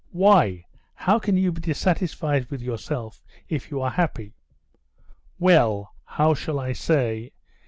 "Why, how can you be dissatisfied with yourself if you are happy?" "Well, how shall I say?...